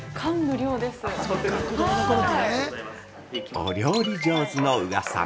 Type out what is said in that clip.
◆お料理上手の宇賀さん